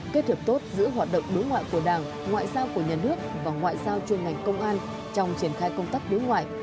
kết hợp tốt giữa hoạt động đối ngoại của đảng ngoại giao của nhà nước và ngoại giao chuyên ngành công an trong triển khai công tác đối ngoại